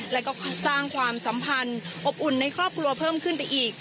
และก็สร้างความสัมพันธ์อบอุ่นในครอบครัวเพิ่มขึ้นไปอีก